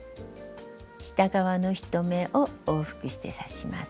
下側の１目を往復して刺します。